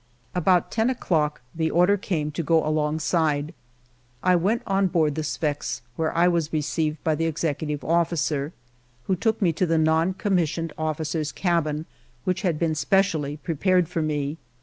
About ten o'clock the order came to go along side. I went on board the Sfax, where I was received by the executive officer, who took me to the non commissioned officers' cabin, which had been specially prepared for me.